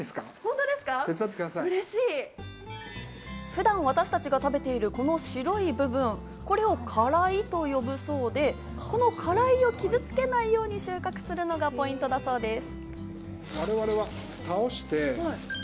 普段、私たちが食べているこの白い部分、これを花蕾と呼ぶそうで、花蕾を傷付けないように収穫するのがポイントだそうです。